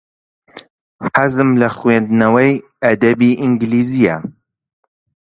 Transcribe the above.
حەزم لە خوێندنەوەی ئەدەبی ئینگلیزییە.